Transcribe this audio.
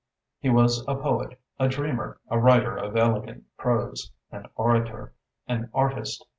He was a poet, a dreamer, a writer of elegant prose, an orator, an artist.